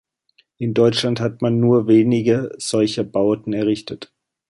In Deutschland hat man nur wenige solcher Bauten errichtet.